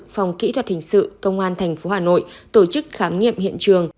phòng kỹ thuật hình sự công an thành phố hà nội tổ chức khám nghiệm hiện trường